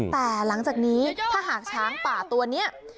แต่หลังจากนี้ถ้าหากช้างป่าตัวนี้